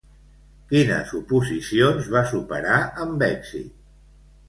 Quines oposicions va superar amb èxit?